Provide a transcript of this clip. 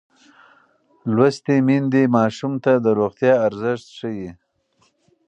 لوستې میندې ماشوم ته د روغتیا ارزښت ښيي.